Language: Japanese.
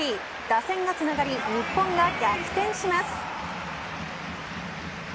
打線がつながり日本が逆転します。